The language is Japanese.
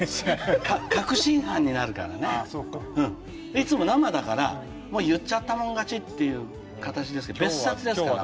いつも生だからもう言っちゃったもん勝ちっていう形ですけど「別冊」ですから。